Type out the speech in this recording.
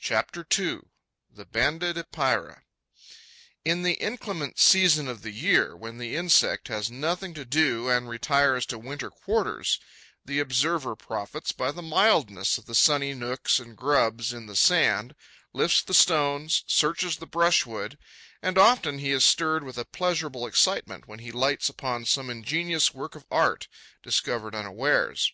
CHAPTER II: THE BANDED EPEIRA In the inclement season of the year, when the insect has nothing to do and retires to winter quarters, the observer profits by the mildness of the sunny nooks and grubs in the sand, lifts the stones, searches the brushwood; and often he is stirred with a pleasurable excitement, when he lights upon some ingenious work of art, discovered unawares.